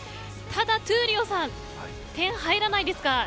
ただ闘莉王さん点入らないんですか。